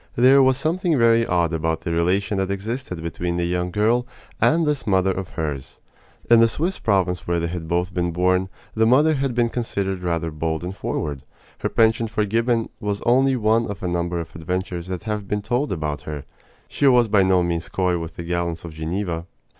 There was something very odd about the relation that existed between the young girl and this mother of hers. In the Swiss province where they had both been born, the mother had been considered rather bold and forward. Her penchant for Gibbon was only one of a number of adventures that have been told about her. She was by no means coy with the gallants of Geneva.